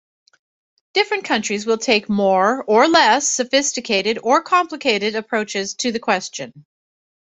Different countries will take more or less sophisticated, or complicated approaches to the question.